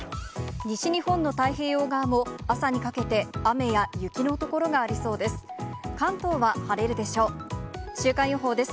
西日本の太平洋側も朝にかけて雨や雪の所がありそうです。